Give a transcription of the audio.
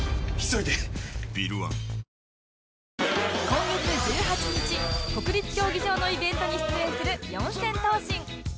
今月１８日国立競技場のイベントに出演する四千頭身